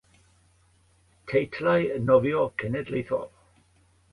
Teitlau nofio cenedlaethol.